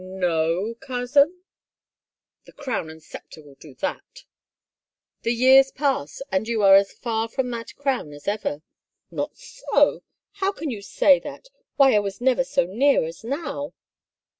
" No, cousin ?"" The crown and scepter will do that !"" The years pass and you are as far from that crown as ever." " Not so ... how can you say that ? Why, I was never so near as now."